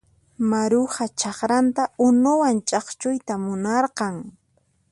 Maruja chakranta unuwan ch'akchuyta munarqan.